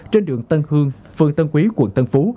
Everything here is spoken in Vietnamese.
trên đường tân hương phường tân quý quận tân phú